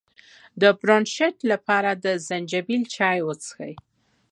د برونشیت لپاره د زنجبیل چای وڅښئ